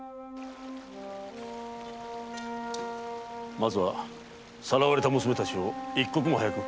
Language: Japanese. まずはさらわれた娘たちを一刻も早く救出することだ。